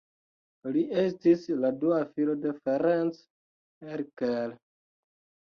Li estis la dua filo de Ferenc Erkel.